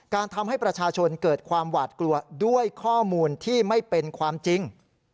ทำให้ประชาชนเกิดความหวาดกลัวด้วยข้อมูลที่ไม่เป็นความจริง